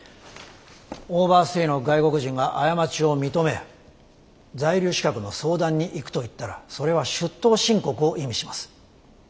オーバーステイの外国人が過ちを認め在留資格の相談に行くと言ったらそれは出頭申告を意味します。